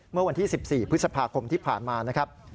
เมื่อวันที่๑๔พฤษภาคมที่ผ่านมานะครับ